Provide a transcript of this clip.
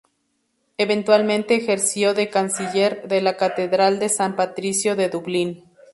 Eventualmente ejerció de canciller de la Catedral de San Patricio de Dublín.